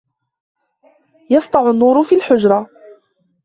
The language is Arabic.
يَسْطَعُ النُّورُ فِي الْحُجْرَةِ.